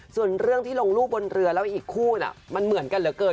ส่วนเรื่องที่ลงรูปบนเรือแล้วอีกคู่น่ะมันเหมือนกันเหลือเกิน